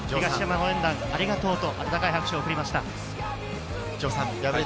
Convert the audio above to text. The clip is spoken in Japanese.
応援団、ありがとうと熱い拍手を送りました。